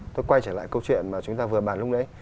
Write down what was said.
tôi quay trở lại câu chuyện mà chúng ta vừa bàn lúc đấy